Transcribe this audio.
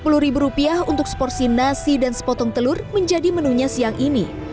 paket hemat sepuluh ribu rupiah untuk seporsi nasi dan sepotong telur menjadi menunya siang ini